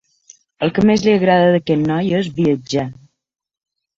El que més li agrada d'aquest noi és viatjar.